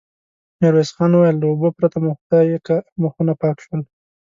ميرويس خان وويل: له اوبو پرته مو خدايکه مخونه پاک شول.